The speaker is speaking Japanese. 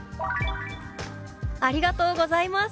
「ありがとうございます。